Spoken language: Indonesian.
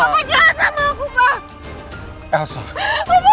papa jangan sama aku